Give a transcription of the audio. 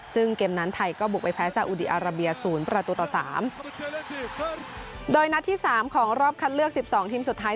ซึ่งเกมนั้นไทยก็บุกไปแพ้สาอุดีอาราเบียศูนย์ประตูต่อสามโดยนัดที่สามของรอบคัดเลือกสิบสองทีมสุดท้าย